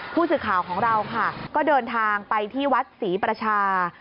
ผู้สื่อข่าวของเราค่ะก็เดินทางไปที่วัดศรีประชา